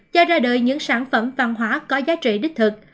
cho ra đời những sản phẩm văn hóa có giá trị đích thực